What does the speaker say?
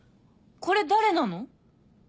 これ誰なの？